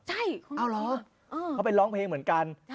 ใช่เอาเหรอเขาไปร้องเพลงเหมือนกัน